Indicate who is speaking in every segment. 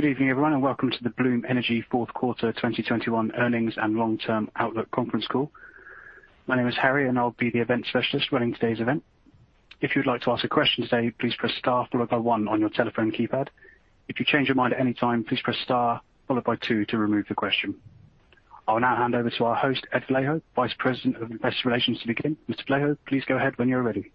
Speaker 1: Good evening, everyone, and welcome to the Bloom Energy Q4 2021 Earnings and long-term outlook Conference Call. My name is Harry and I'll be the event specialist running today's event. If you'd like to ask a question today, please press star followed by one on your telephone keypad. If you change your mind at any time, please press star followed by two to remove the question. I will now hand over to our host, Ed Vallejo, Vice President of Investor Relations to begin. Mr. Vallejo, please go ahead when you're ready.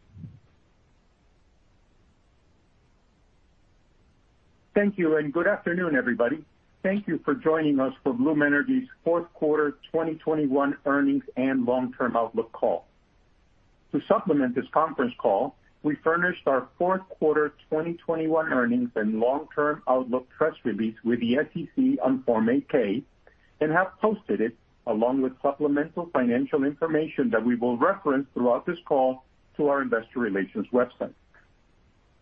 Speaker 2: Thank you, and good afternoon, everybody. Thank you for joining us for Bloom Energy's Q4 2021 earnings and long-term outlook call. To supplement this conference call, we furnished our Q4 2021 earnings and long-term outlook press release with the SEC on Form 8-K and have posted it along with supplemental financial information that we will reference throughout this call to our investor relations website.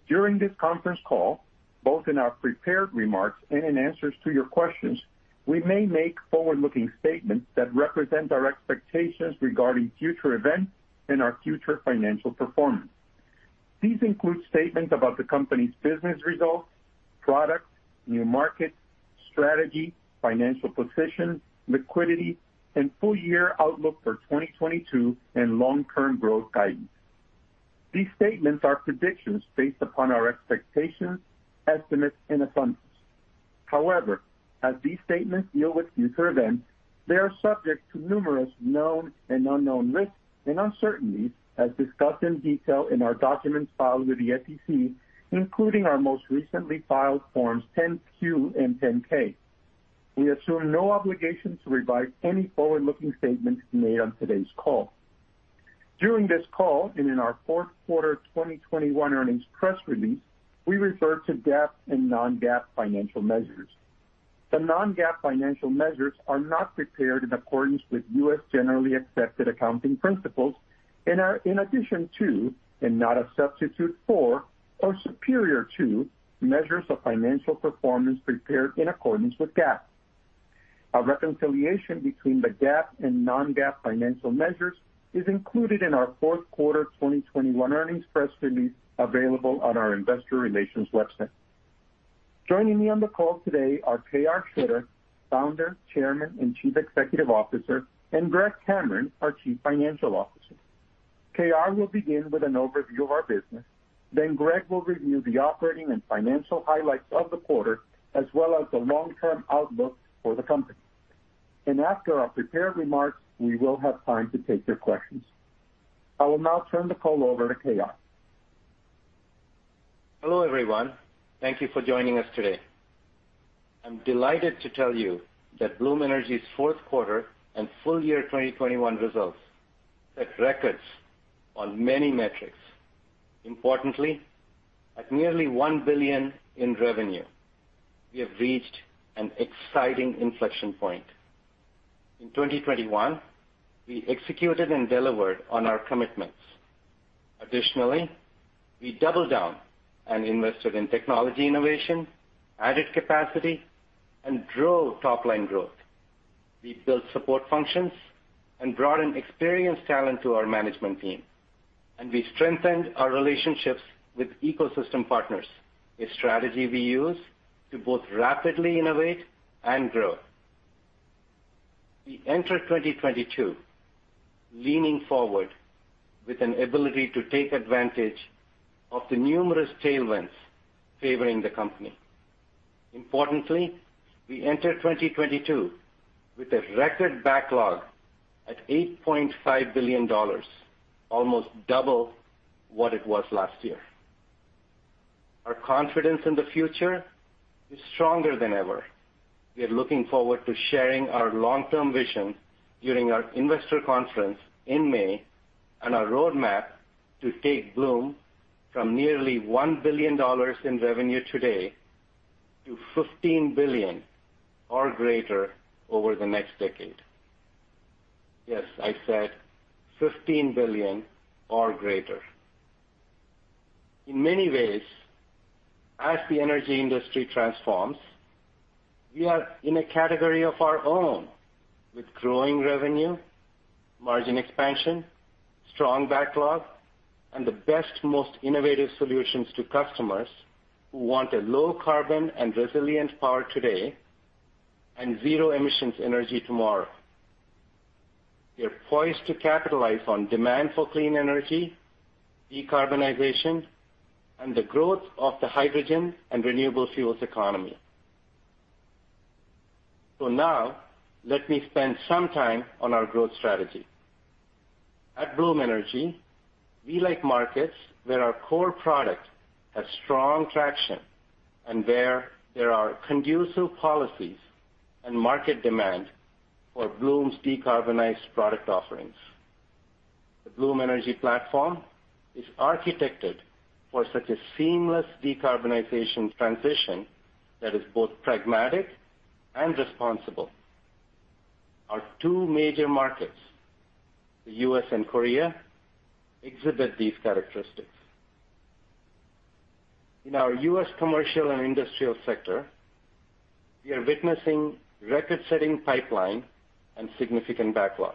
Speaker 2: During this conference call, both in our prepared remarks and in answers to your questions, we may make forward-looking statements that represent our expectations regarding future events and our future financial performance. These include statements about the company's business results, products, new markets, strategy, financial position, liquidity, and full year outlook for 2022 and long-term growth guidance. These statements are predictions based upon our expectations, estimates and assumptions. However, as these statements deal with future events, they are subject to numerous known and unknown risks and uncertainties as discussed in detail in our documents filed with the SEC, including our most recently filed forms 10-Q and 10-K. We assume no obligation to revise any forward-looking statements made on today's call. During this call and in our Q4 2021 earnings press release, we refer to GAAP and non-GAAP financial measures. The non-GAAP financial measures are not prepared in accordance with U.S. generally accepted accounting principles and are in addition to, and not a substitute for or superior to, measures of financial performance prepared in accordance with GAAP. A reconciliation between the GAAP and non-GAAP financial measures is included in our Q4 2021 earnings press release available on our investor relations website. Joining me on the call today are KR Sridhar, Founder, Chairman, and Chief Executive Officer, and Greg Cameron, our Chief Financial Officer. KR will begin with an overview of our business. Greg will review the operating and financial highlights of the quarter, as well as the long-term outlook for the company. After our prepared remarks, we will have time to take your questions. I will now turn the call over to KR.
Speaker 3: Hello, everyone. Thank you for joining us today. I'm delighted to tell you that Bloom Energy's Q4 and full year 2021 results set records on many metrics. Importantly, at nearly $1 billion in revenue, we have reached an exciting inflection point. In 2021, we executed and delivered on our commitments. Additionally, we doubled down and invested in technology innovation, added capacity, and drove top-line growth. We built support functions and brought in experienced talent to our management team, and we strengthened our relationships with ecosystem partners, a strategy we use to both rapidly innovate and grow. We enter 2022 leaning forward with an ability to take advantage of the numerous tailwinds favoring the company. Importantly, we enter 2022 with a record backlog at $8.5 billion, almost double what it was last year. Our confidence in the future is stronger than ever. We are looking forward to sharing our long-term vision during our investor conference in May and our roadmap to take Bloom from nearly $1 billion in revenue today to $15 billion or greater over the next decade. Yes, I said $15 billion or greater. In many ways, as the energy industry transforms, we are in a category of our own with growing revenue, margin expansion, strong backlog, and the best, most innovative solutions to customers who want a low carbon and resilient power today and zero emissions energy tomorrow. We are poised to capitalize on demand for clean energy, decarbonization, and the growth of the hydrogen and renewable fuels economy. Now let me spend some time on our growth strategy. At Bloom Energy, we like markets where our core product has strong traction and where there are conducive policies and market demand for Bloom's decarbonized product offerings. The Bloom Energy platform is architected for such a seamless decarbonization transition that is both pragmatic and responsible. Our two major markets, the U.S. and Korea, exhibit these characteristics. In our U.S. commercial and industrial sector, we are witnessing record-setting pipeline and significant backlog.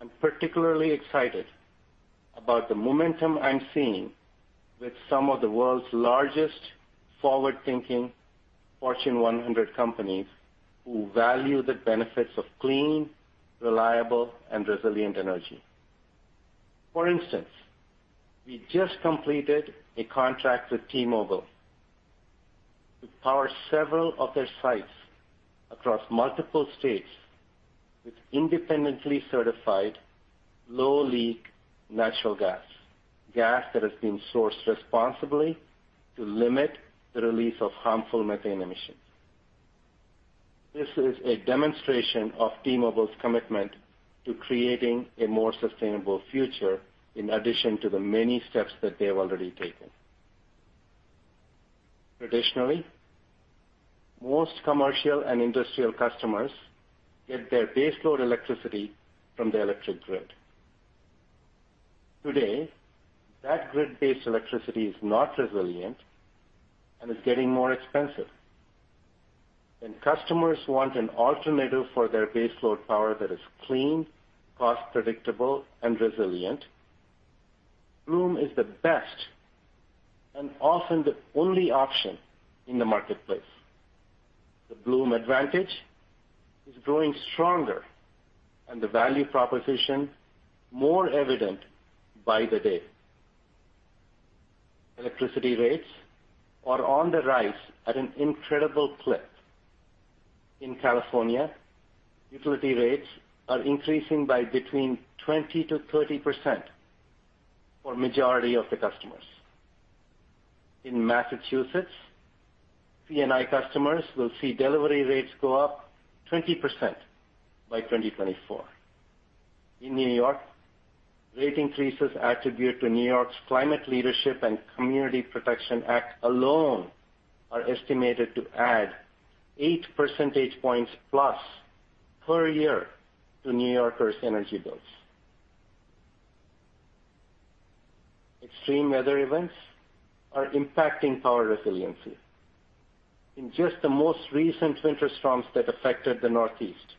Speaker 3: I'm particularly excited about the momentum I'm seeing with some of the world's largest forward-thinking Fortune 100 companies who value the benefits of clean, reliable, and resilient energy. For instance, we just completed a contract with T-Mobile to power several of their sites across multiple states with independently certified low-leak natural gas that has been sourced responsibly to limit the release of harmful methane emissions. This is a demonstration of T-Mobile's commitment to creating a more sustainable future, in addition to the many steps that they have already taken. Traditionally, most commercial and industrial customers get their baseload electricity from the electric grid. Today, that grid-based electricity is not resilient and is getting more expensive. When customers want an alternative for their baseload power that is clean, cost predictable, and resilient, Bloom is the best and often the only option in the marketplace. The Bloom advantage is growing stronger and the value proposition more evident by the day. Electricity rates are on the rise at an incredible clip. In California, utility rates are increasing by between 20%-30% for majority of the customers. In Massachusetts, C&I customers will see delivery rates go up 20% by 2024. In New York, rate increases attributed to New York's Climate Leadership and Community Protection Act alone are estimated to add 8 percentage points plus per year to New Yorkers' energy bills. Extreme weather events are impacting power resiliency. In just the most recent winter storms that affected the Northeast,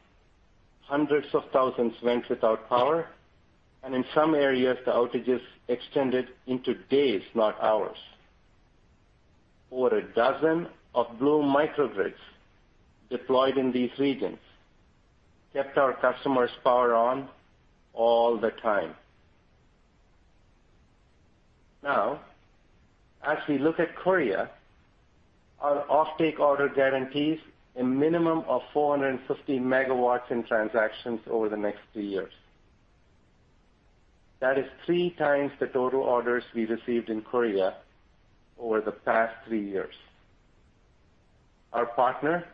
Speaker 3: hundreds of thousands went without power, and in some areas, the outages extended into days, not hours. Over a dozen of Bloom microgrids deployed in these regions kept our customers' power on all the time. Now, as we look at Korea, our offtake order guarantees a minimum of 450 MW in transactions over the next three years. That is three times the total orders we received in Korea over the past three years. Our partner,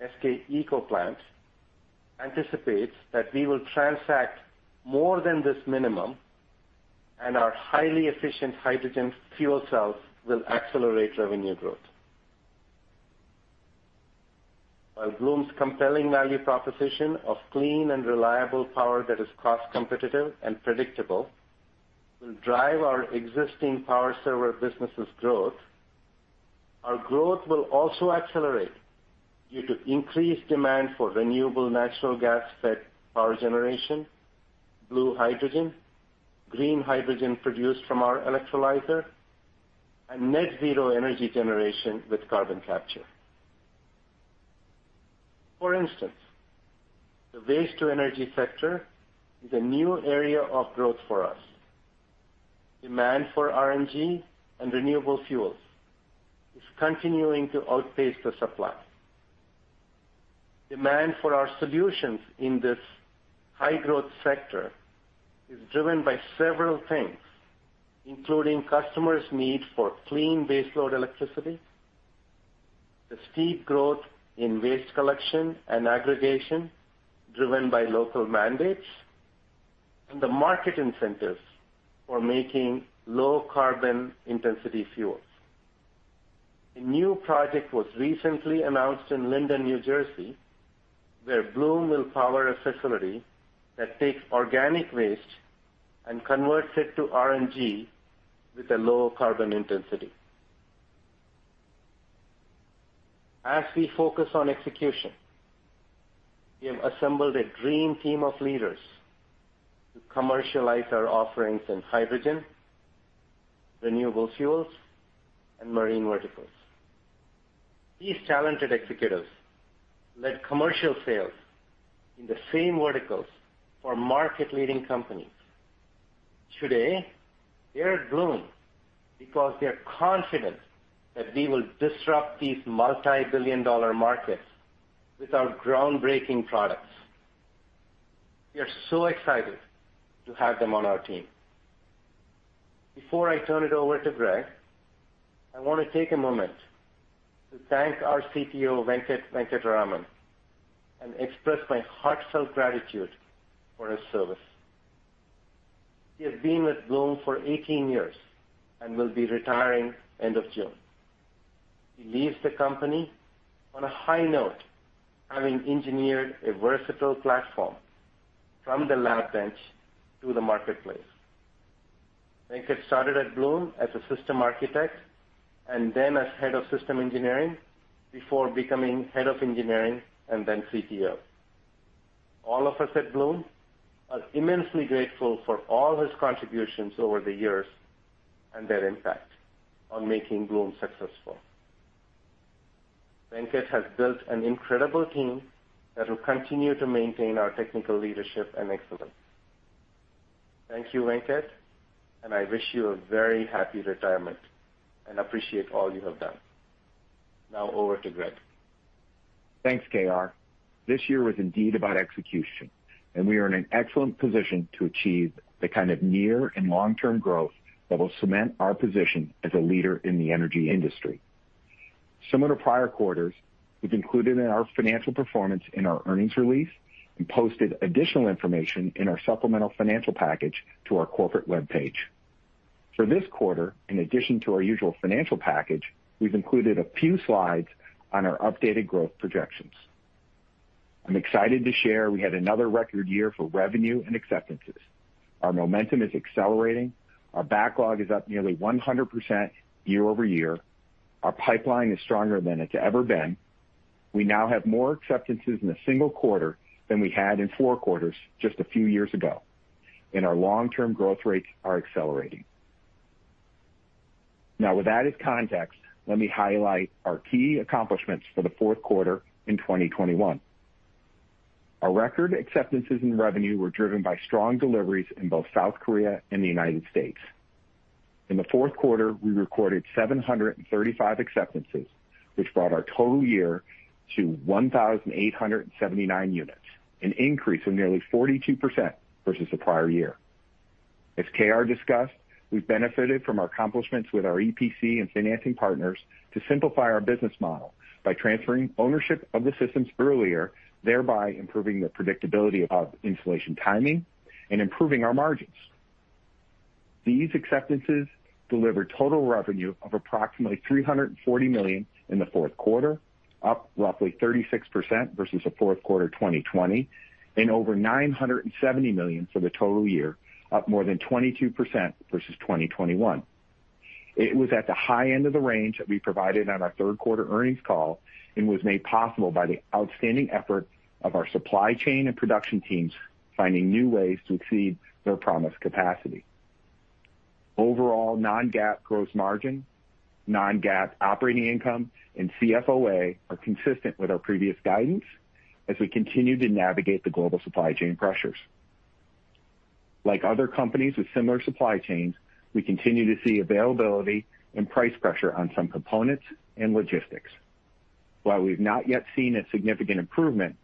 Speaker 3: SK ecoplant, anticipates that we will transact more than this minimum, and our highly efficient hydrogen fuel cells will accelerate revenue growth. While Bloom's compelling value proposition of clean and reliable power that is cost competitive and predictable will drive our existing Energy Server business' growth, our growth will also accelerate due to increased demand for renewable natural gas-fed power generation, blue hydrogen, green hydrogen produced from our electrolyzer, and net zero energy generation with carbon capture. For instance, the waste to energy sector is a new area of growth for us. Demand for RNG and renewable fuels is continuing to outpace the supply. Demand for our solutions in this high-growth sector is driven by several things, including customers' need for clean baseload electricity, the steep growth in waste collection and aggregation driven by local mandates, and the market incentives for making low carbon intensity fuels. A new project was recently announced in Linden, New Jersey, where Bloom will power a facility that takes organic waste and converts it to RNG with a low carbon intensity. As we focus on execution, we have assembled a dream team of leaders to commercialize our offerings in hydrogen, renewable fuels, and marine verticals. These talented executives led commercial sales in the same verticals for market-leading companies. Today, they are at Bloom because they're confident that we will disrupt these multi-billion dollar markets with our groundbreaking products. We are so excited to have them on our team. Before I turn it over to Greg, I wanna take a moment to thank our CTO, Venkat Venkataraman, and express my heartfelt gratitude for his service. He has been with Bloom for 18 years and will be retiring end of June. He leaves the company on a high note, having engineered a versatile platform from the lab bench to the marketplace. Venkat started at Bloom as a system architect and then as head of system engineering before becoming head of engineering and then CTO. All of us at Bloom are immensely grateful for all his contributions over the years and their impact on making Bloom successful. Venkat has built an incredible team that will continue to maintain our technical leadership and excellence. Thank you, Venkat, and I wish you a very happy retirement and appreciate all you have done. Now over to Greg.
Speaker 4: Thanks, KR. This year was indeed about execution, and we are in an excellent position to achieve the kind of near and long-term growth that will cement our position as a leader in the energy industry. Similar to prior quarters, we've included our financial performance in our earnings release and posted additional information in our supplemental financial package to our corporate web page. For this quarter, in addition to our usual financial package, we've included a few slides on our updated growth projections. I'm excited to share that we had another record year for revenue and acceptances. Our momentum is accelerating. Our backlog is up nearly 100% year-over-year. Our pipeline is stronger than it's ever been. We now have more acceptances in a single quarter than we had in four quarters just a few years ago, and our long-term growth rates are accelerating. Now, with that as context, let me highlight our key accomplishments for the Q4 in 2021. Our record acceptances and revenue were driven by strong deliveries in both South Korea and the United States. In the Q4, we recorded 735 acceptances, which brought our total year to 1,879 units, an increase of nearly 42% versus the prior year. As KR discussed, we've benefited from our accomplishments with our EPC and financing partners to simplify our business model by transferring ownership of the systems earlier, thereby improving the predictability of installation timing and improving our margins. These acceptances delivered total revenue of approximately $340 million in the Q4, up roughly 36% versus the Q4 of 2020 and over $970 million for the total year, up more than 22% versus 2021. It was at the high end of the range that we provided on our third-quarter earnings call and was made possible by the outstanding effort of our supply chain and production teams finding new ways to exceed their promised capacity. Overall, non-GAAP gross margin, non-GAAP operating income, and CFOA are consistent with our previous guidance as we continue to navigate the global supply chain pressures. Like other companies with similar supply chains, we continue to see availability and price pressure on some components and logistics. While we've not yet seen a significant improvement,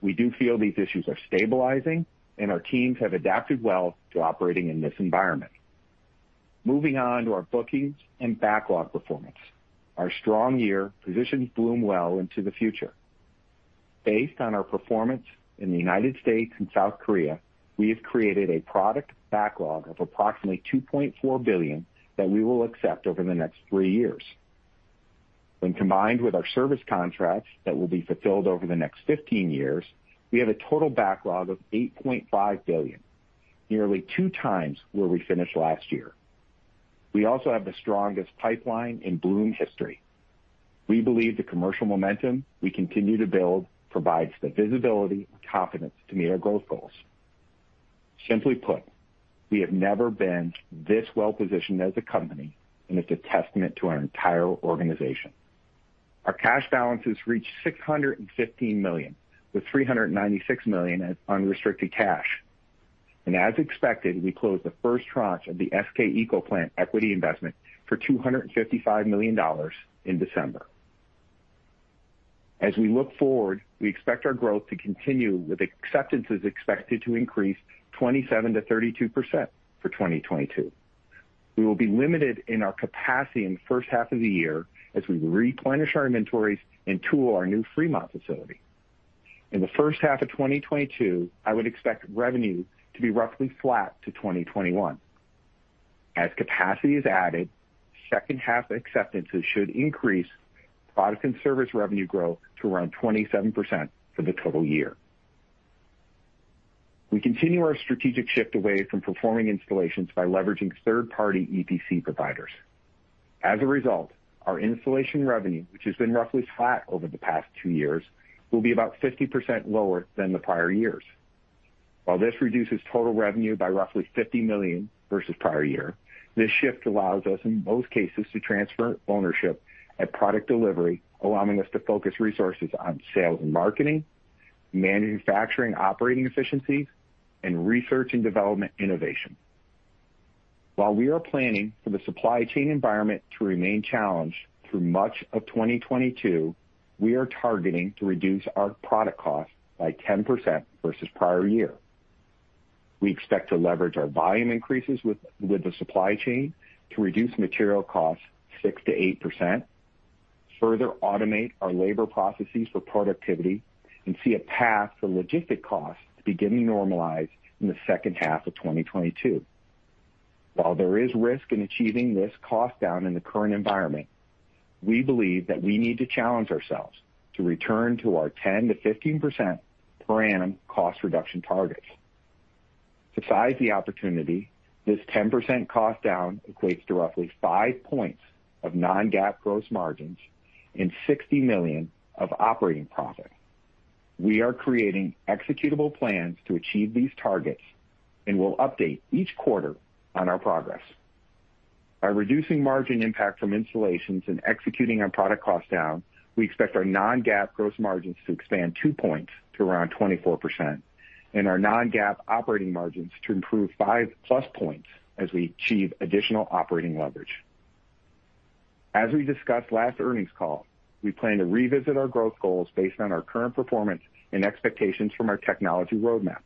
Speaker 4: we do feel these issues are stabilizing, and our teams have adapted well to operating in this environment. Moving on to our bookings and backlog performance. Our strong year positions Bloom well into the future. Based on our performance in the United States and South Korea, we have created a product backlog of approximately $2.4 billion that we will execute over the next three years. When combined with our service contracts that will be fulfilled over the next 15 years, we have a total backlog of $8.5 billion, nearly 2x where we finished last year. We also have the strongest pipeline in Bloom history. We believe the commercial momentum we continue to build provides the visibility and confidence to meet our growth goals. Simply put, we have never been this well-positioned as a company, and it's a testament to our entire organization. Our cash balances reached $615 million, with $396 million as unrestricted cash. As expected, we closed the first tranche of the SK ecoplant equity investment for $255 million in December. As we look forward, we expect our growth to continue, with acceptances expected to increase 27%-32% for 2022. We will be limited in our capacity in the first half of the year as we replenish our inventories and tool our new Fremont facility. In the first half of 2022, I would expect revenue to be roughly flat to 2021. As capacity is added, second-half acceptances should increase product and service revenue growth to around 27% for the total year. We continue our strategic shift away from performing installations by leveraging third-party EPC providers. As a result, our installation revenue, which has been roughly flat over the past two years, will be about 50% lower than the prior years. While this reduces total revenue by roughly $50 million versus prior year, this shift allows us, in most cases, to transfer ownership at product delivery, allowing us to focus resources on sales and marketing, manufacturing operating efficiencies, and research and development innovation. While we are planning for the supply chain environment to remain challenged through much of 2022, we are targeting to reduce our product cost by 10% versus prior year. We expect to leverage our volume increases with the supply chain to reduce material costs 6%-8%, further automate our labor processes for productivity, and see a path for logistics costs to begin to normalize in the second half of 2022. While there is risk in achieving this cost down in the current environment. We believe that we need to challenge ourselves to return to our 10%-15% per annum cost reduction targets. To size the opportunity, this 10% cost down equates to roughly 5 points of non-GAAP gross margins and $60 million of operating profit. We are creating executable plans to achieve these targets, and we'll update each quarter on our progress. By reducing margin impact from installations and executing our product cost down, we expect our non-GAAP gross margins to expand two points to around 24% and our non-GAAP operating margins to improve 5+ points as we achieve additional operating leverage. As we discussed last earnings call, we plan to revisit our growth goals based on our current performance and expectations from our technology roadmap.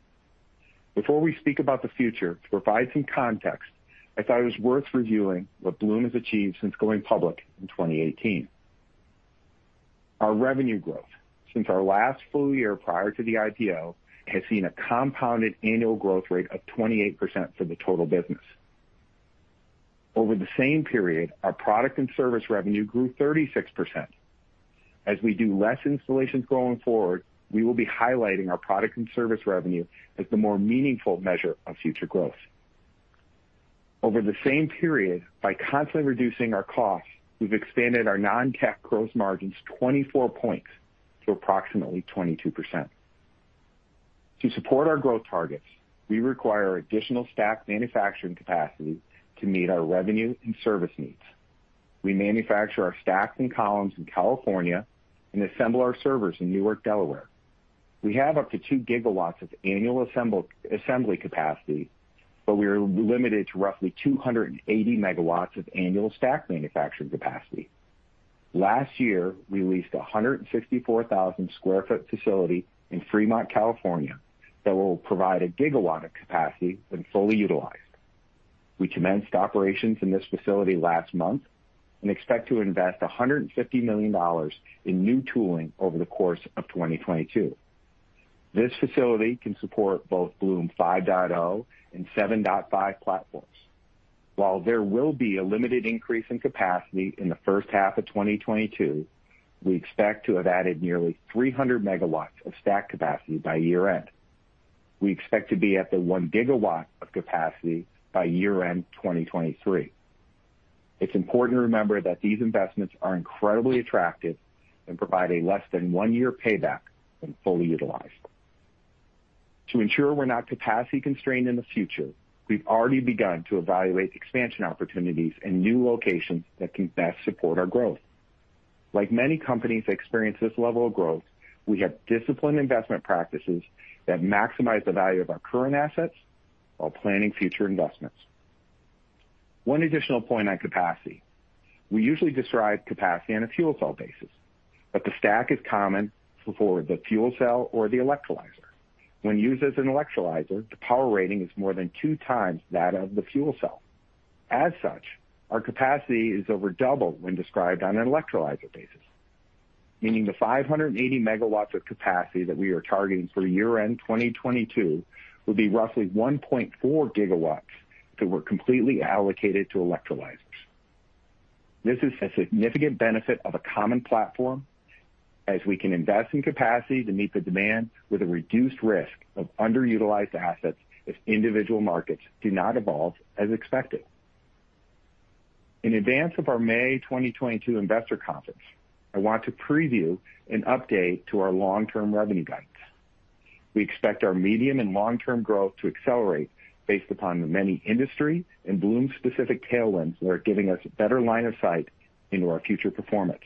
Speaker 4: Before we speak about the future, to provide some context, I thought it was worth reviewing what Bloom has achieved since going public in 2018. Our revenue growth since our last full year prior to the IPO has seen a compounded annual growth rate of 28% for the total business. Over the same period, our product and service revenue grew 36%. As we do less installations going forward, we will be highlighting our product and service revenue as the more meaningful measure of future growth. Over the same period, by constantly reducing our costs, we've expanded our non-GAAP gross margins 24 points to approximately 22%. To support our growth targets, we require additional stack manufacturing capacity to meet our revenue and service needs. We manufacture our stacks and columns in California and assemble our servers in Newark, Delaware. We have up to 2 GW of annual assembly capacity, but we are limited to roughly 280 MW of annual stack manufacturing capacity. Last year, we leased 164,000 sq ft facility in Fremont, California, that will provide a gigawatt of capacity when fully utilized. We commenced operations in this facility last month and expect to invest $150 million in new tooling over the course of 2022. This facility can support both Bloom 5.0 and 7.5 platforms. While there will be a limited increase in capacity in the first half of 2022, we expect to have added nearly 300 MW of stack capacity by year-end. We expect to be at the 1 GW of capacity by year-end 2023. It's important to remember that these investments are incredibly attractive and provide a less than one-year payback when fully utilized. To ensure we're not capacity constrained in the future, we've already begun to evaluate expansion opportunities and new locations that can best support our growth. Like many companies that experience this level of growth, we have disciplined investment practices that maximize the value of our current assets while planning future investments. One additional point on capacity. We usually describe capacity on a fuel cell basis, but the stack is common for the fuel cell or the electrolyzer. When used as an electrolyzer, the power rating is more than 2x that of the fuel cell. As such, our capacity is over double when described on an electrolyzer basis, meaning the 580 MW of capacity that we are targeting for year-end 2022 will be roughly 1.4 GW that were completely allocated to electrolyzers. This is a significant benefit of a common platform as we can invest in capacity to meet the demand with a reduced risk of underutilized assets if individual markets do not evolve as expected. In advance of our May 2022 investor conference, I want to preview an update to our long-term revenue guidance. We expect our medium and long-term growth to accelerate based upon the many industry and Bloom specific tailwinds that are giving us a better line of sight into our future performance.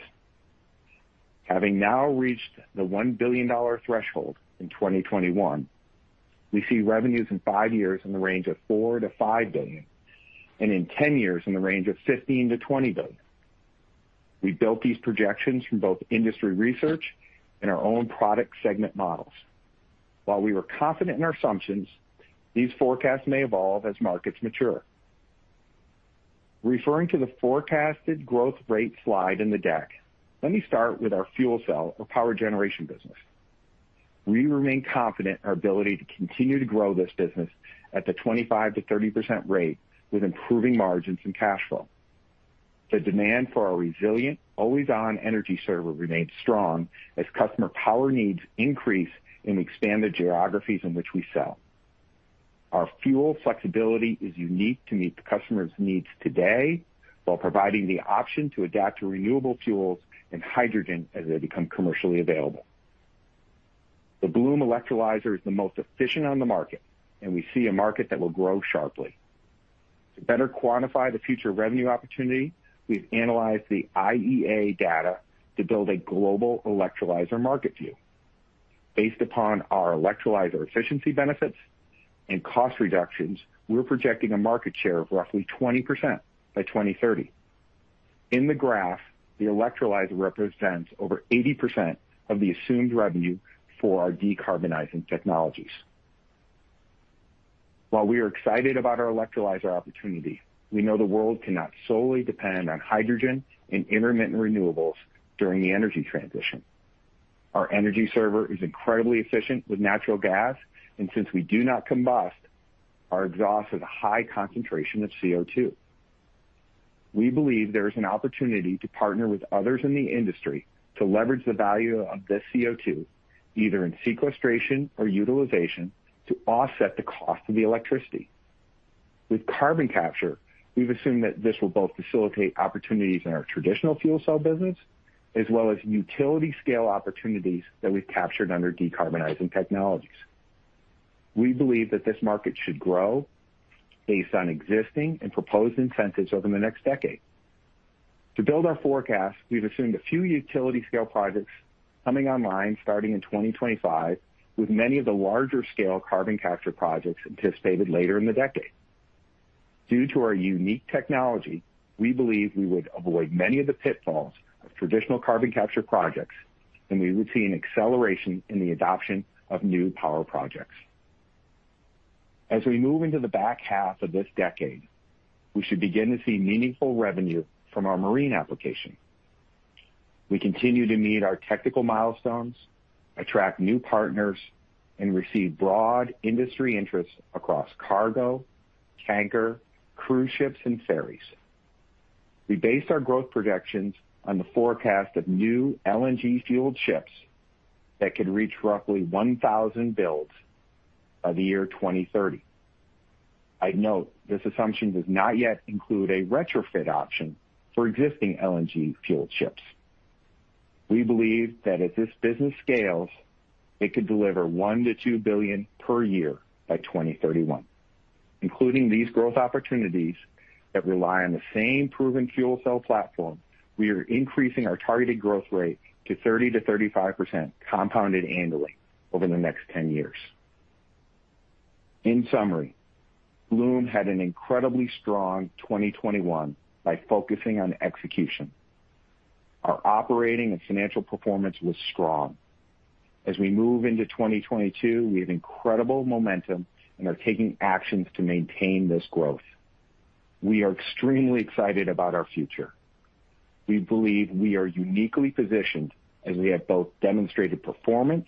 Speaker 4: Having now reached the $1 billion threshold in 2021, we see revenues in five years in the range of $4 billion-$5 billion and in 10 years in the range of $15 billion-$20 billion. We built these projections from both industry research and our own product segment models. While we were confident in our assumptions, these forecasts may evolve as markets mature. Referring to the forecasted growth rate slide in the deck, let me start with our fuel cell or power generation business. We remain confident in our ability to continue to grow this business at the 25%-30% rate with improving margins and cash flow. The demand for our resilient, always-on Energy Server remains strong as customer power needs increase in expanded geographies in which we sell. Our fuel flexibility is unique to meet the customer's needs today while providing the option to adapt to renewable fuels and hydrogen as they become commercially available. The Bloom electrolyzer is the most efficient on the market, and we see a market that will grow sharply. To better quantify the future revenue opportunity, we've analyzed the IEA data to build a global electrolyzer market view. Based upon our electrolyzer efficiency benefits and cost reductions, we're projecting a market share of roughly 20% by 2030. In the graph, the electrolyzer represents over 80% of the assumed revenue for our decarbonizing technologies. While we are excited about our electrolyzer opportunity, we know the world cannot solely depend on hydrogen and intermittent renewables during the energy transition. Our Energy Server is incredibly efficient with natural gas, and since we do not combust, our exhaust is a high concentration of CO2. We believe there is an opportunity to partner with others in the industry to leverage the value of this CO2, either in sequestration or utilization, to offset the cost of the electricity. With carbon capture, we've assumed that this will both facilitate opportunities in our traditional fuel cell business as well as utility scale opportunities that we've captured under decarbonizing technologies. We believe that this market should grow based on existing and proposed incentives over the next decade. To build our forecast, we've assumed a few utility scale projects coming online starting in 2025, with many of the larger scale carbon capture projects anticipated later in the decade. Due to our unique technology, we believe we would avoid many of the pitfalls of traditional carbon capture projects, and we would see an acceleration in the adoption of new power projects. As we move into the back half of this decade, we should begin to see meaningful revenue from our marine application. We continue to meet our technical milestones, attract new partners, and receive broad industry interests across cargo, tanker, cruise ships and ferries. We base our growth projections on the forecast of new LNG fueled ships that could reach roughly 1,000 builds by the year 2030. I'd note this assumption does not yet include a retrofit option for existing LNG fueled ships. We believe that as this business scales, it could deliver $1 billion-$2 billion per year by 2031. Including these growth opportunities that rely on the same proven fuel cell platform, we are increasing our targeted growth rate to 30%-35% compounded annually over the next 10 years. In summary, Bloom had an incredibly strong 2021 by focusing on execution. Our operating and financial performance was strong. As we move into 2022, we have incredible momentum and are taking actions to maintain this growth. We are extremely excited about our future. We believe we are uniquely positioned as we have both demonstrated performance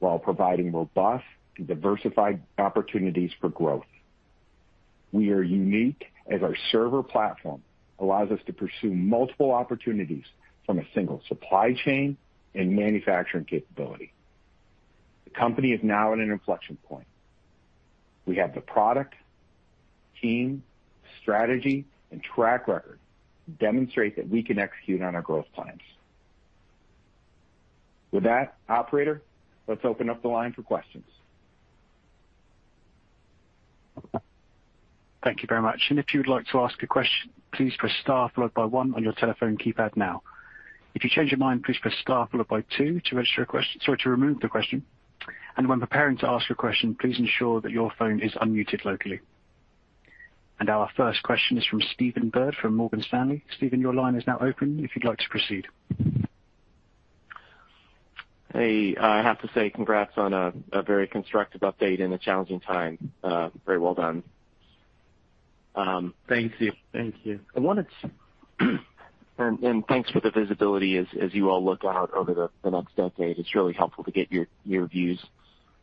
Speaker 4: while providing robust and diversified opportunities for growth. We are unique as our server platform allows us to pursue multiple opportunities from a single supply chain and manufacturing capability. The company is now at an inflection point. We have the product, team, strategy and track record to demonstrate that we can execute on our growth plans. With that, operator, let's open up the line for questions.
Speaker 1: Thank you very much. If you would like to ask a question, please press star followed by one on your telephone keypad now. If you change your mind, please press star followed by two to remove the question. When preparing to ask your question, please ensure that your phone is unmuted locally. Our first question is from Stephen Byrd from Morgan Stanley. Stephen, your line is now open if you'd like to proceed.
Speaker 5: Hey, I have to say congrats on a very constructive update in a challenging time. Very well done.
Speaker 4: Thank you. Thank you.
Speaker 5: Thanks for the visibility as you all look out over the next decade. It's really helpful to get your views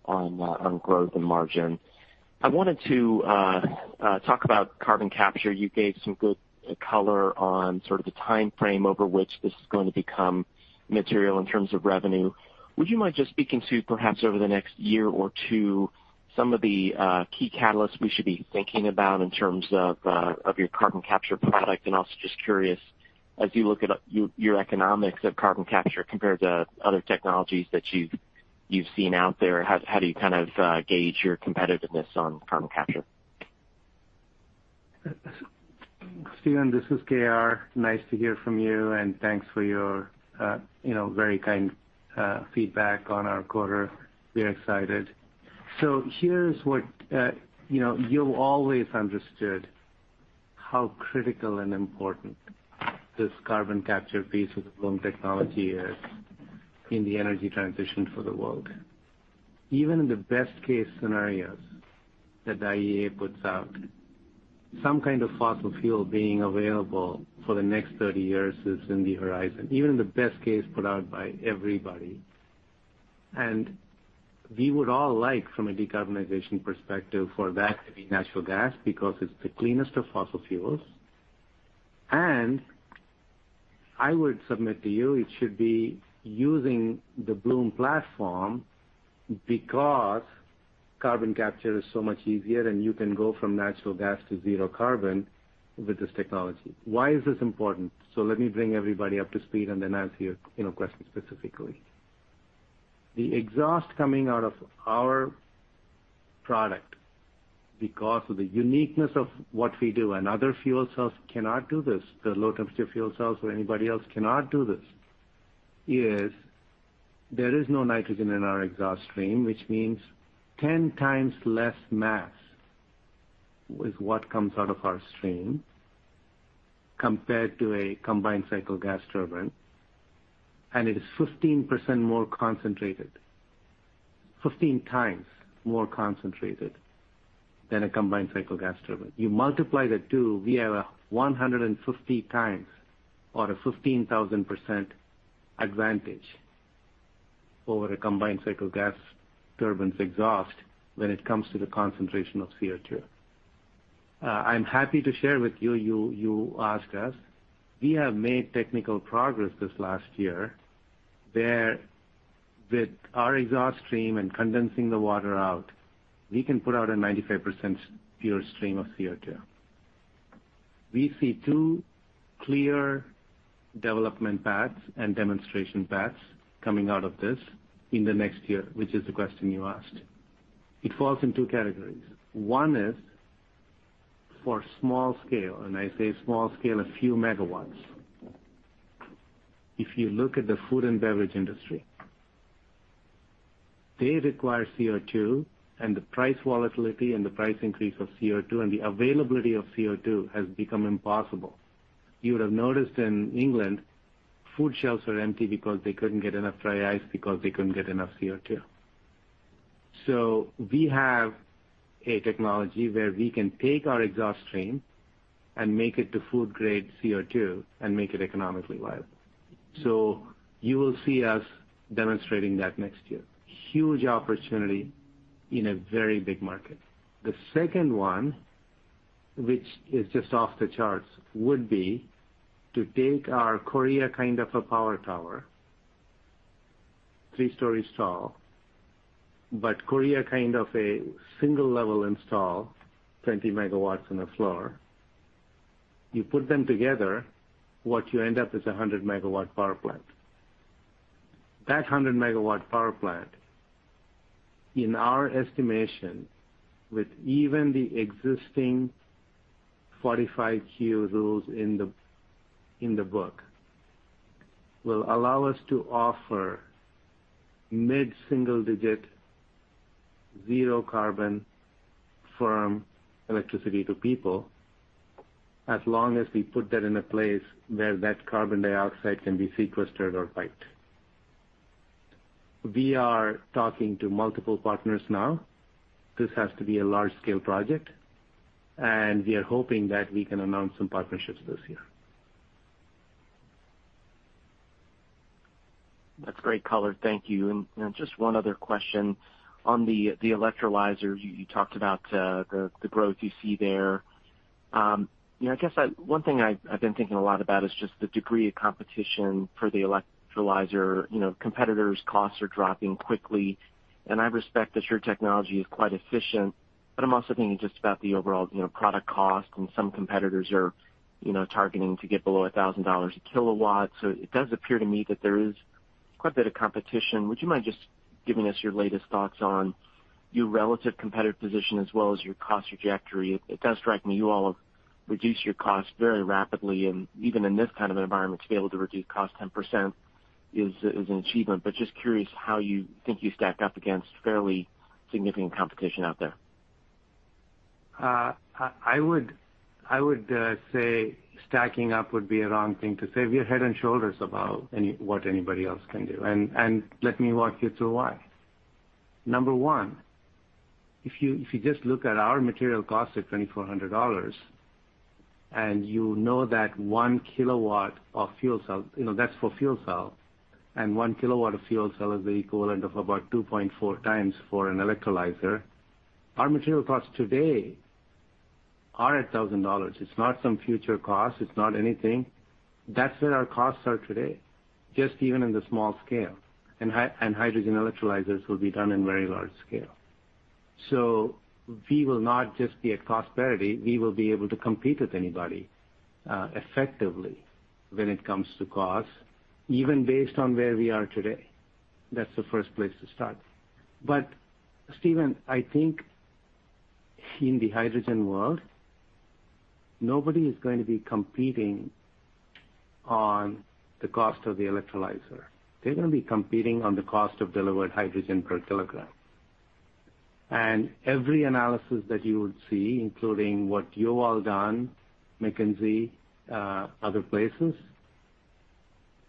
Speaker 5: on growth and margin. I wanted to talk about carbon capture. You gave some good color on sort of the timeframe over which this is going to become material in terms of revenue. Would you mind just speaking to, perhaps over the next year or two, some of the key catalysts we should be thinking about in terms of your carbon capture product? Also just curious, as you look at your economics of carbon capture compared to other technologies that you've seen out there, how do you kind of gauge your competitiveness on carbon capture?
Speaker 3: Stephen, this is KR. Nice to hear from you, and thanks for your, you know, very kind feedback on our quarter. We're excited. You know, you've always understood how critical and important this carbon capture piece of the Bloom technology is in the energy transition for the world. Even in the best case scenarios that the IEA puts out, some kind of fossil fuel being available for the next 30 years is on the horizon, even in the best case put out by everybody. We would all like, from a decarbonization perspective, for that to be natural gas because it's the cleanest of fossil fuels. I would submit to you it should be using the Bloom platform because carbon capture is so much easier, and you can go from natural gas to zero carbon with this technology. Why is this important? Let me bring everybody up to speed and then answer your, you know, question specifically. The exhaust coming out of our product, because of the uniqueness of what we do, and other fuel cells cannot do this, the low temperature fuel cells or anybody else cannot do this, there is no nitrogen in our exhaust stream, which means 10 times less mass with what comes out of our stream compared to a combined cycle gas turbine, and it is 15% more concentrated. 15 times more concentrated than a combined cycle gas turbine. You multiply the two, we have a 150 times or a 15,000% advantage over a combined cycle gas turbine's exhaust when it comes to the concentration of CO2. I'm happy to share with you. You asked us. We have made technical progress this last year, where with our exhaust stream and condensing the water out, we can put out a 95% pure stream of CO2. We see two clear development paths and demonstration paths coming out of this in the next year, which is the question you asked. It falls in two categories. One is for small scale, and I say small scale, a few megawatts. If you look at the food and beverage industry, they require CO2, and the price volatility and the price increase of CO2 and the availability of CO2 has become impossible. You would have noticed in England, food shelves were empty because they couldn't get enough dry ice because they couldn't get enough CO2. We have a technology where we can take our exhaust stream and make it into food grade CO2 and make it economically viable. You will see us demonstrating that next year. Huge opportunity in a very big market. The second one, which is just off the charts, would be to take our Korea kind of a power tower, three stories tall, but Korea kind of a single level install, 20 MW on the floor. You put them together, what you end up with is a 100-MW power plant. That 100-megawatt power plant, in our estimation, with even the existing 45Q rules in the book, will allow us to offer mid-single digit zero carbon firm electricity to people as long as we put that in a place where that carbon dioxide can be sequestered or piped. We are talking to multiple partners now. This has to be a large-scale project, and we are hoping that we can announce some partnerships this year.
Speaker 5: That's great, KR. Thank you. Just one other question. On the electrolyzer, you talked about the growth you see there. You know, I guess one thing I've been thinking a lot about is just the degree of competition for the electrolyzer. You know, competitors costs are dropping quickly, and I respect that your technology is quite efficient, but I'm also thinking just about the overall, you know, product cost and some competitors are, you know, targeting to get below $1,000 a kW. It does appear to me that there is quite a bit of competition. Would you mind just giving us your latest thoughts on your relative competitive position as well as your cost trajectory? It does strike me you all have reduced your cost very rapidly, and even in this kind of environment, to be able to reduce cost 10% is an achievement. Just curious how you think you stack up against fairly significant competition out there.
Speaker 3: I would say stacking up would be a wrong thing to say. We are head and shoulders above anybody else can do. Let me walk you through why. Number one, if you just look at our material costs at $2,400, and you know that 1 kilowatt of fuel cells, you know, that's for fuel cells, and 1 kilowatt of fuel cell is the equivalent of about 2.4 times for an electrolyzer. Our material costs today are at $1,000. It's not some future cost. It's not anything. That's where our costs are today, just even in the small scale. Hydrogen electrolyzers will be done in very large scale. We will not just be at cost parity, we will be able to compete with anybody, effectively when it comes to cost, even based on where we are today. That's the first place to start. Stephen, I think in the hydrogen world, nobody is going to be competing on the cost of the electrolyzer. They're gonna be competing on the cost of delivered hydrogen per kilogram. Every analysis that you would see, including what you all done, McKinsey, other places,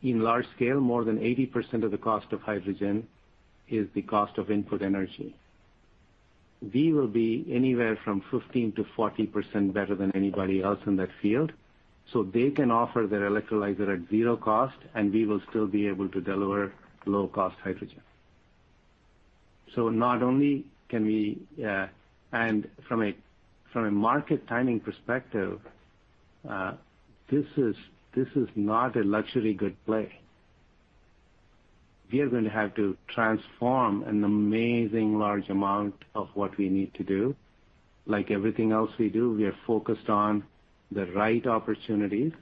Speaker 3: in large scale, more than 80% of the cost of hydrogen is the cost of input energy. We will be anywhere from 15%-40% better than anybody else in that field, so they can offer their electrolyzer at zero cost and we will still be able to deliver low cost hydrogen. From a market timing perspective, this is not a luxury good play. We are going to have to transform an amazing large amount of what we need to do. Like everything else we do, we are focused on the right opportunities.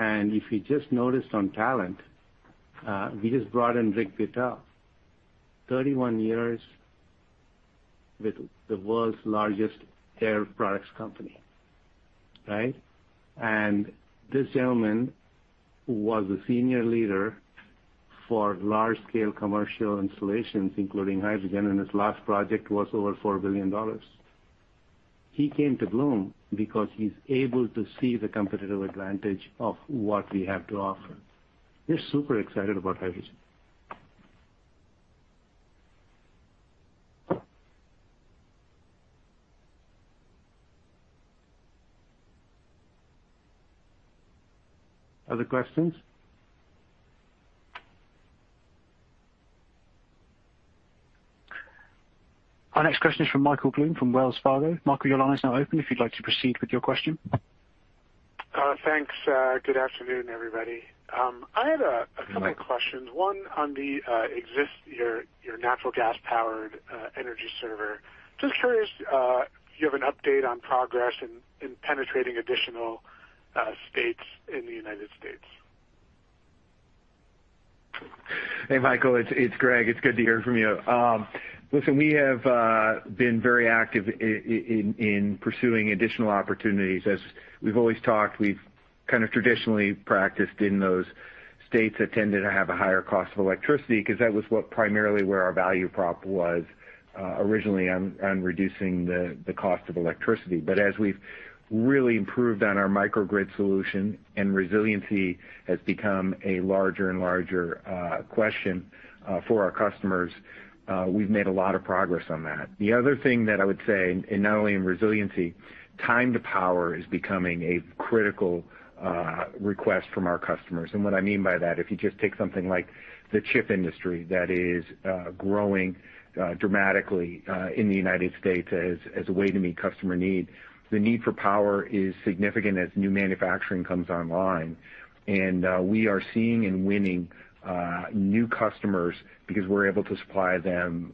Speaker 3: If you just noticed on talent, we just brought in Rick Beuttel. 31 years with the world's largest hair products company, right? This gentleman was a senior leader for large scale commercial installations, including hydrogen, and his last project was over $4 billion. He came to Bloom because he's able to see the competitive advantage of what we have to offer. We're super excited about hydrogen. Other questions?
Speaker 1: Our next question is from Michael Blum, from Wells Fargo. Michael, your line is now open if you'd like to proceed with your question.
Speaker 6: Thanks. Good afternoon, everybody. I had a couple of questions. One on your natural gas-powered Energy Server. Just curious if you have an update on progress in penetrating additional states in the United States.
Speaker 4: Hey, Michael, it's Greg. It's good to hear from you. Listen, we have been very active in pursuing additional opportunities. As we've always talked, we've kind of traditionally practiced in those states that tended to have a higher cost of electricity because that was what primarily where our value prop was originally on reducing the cost of electricity. As we've really improved on our microgrid solution and resiliency has become a larger and larger question for our customers, we've made a lot of progress on that. The other thing that I would say, and not only in resiliency, time to power is becoming a critical request from our customers. What I mean by that, if you just take something like the chip industry that is growing dramatically in the United States as a way to meet customer need, the need for power is significant as new manufacturing comes online. We are seeing and winning new customers because we're able to supply them